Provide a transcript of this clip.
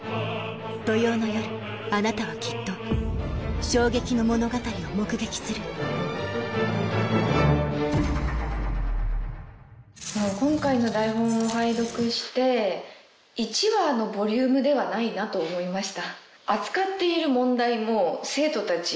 土曜の夜あなたはきっと衝撃の物語を目撃する今回の台本を拝読して１話のボリュームではないなと思いました。